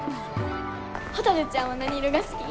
ほたるちゃんは何色が好き？